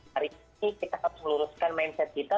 hari ini kita harus meluruskan mindset kita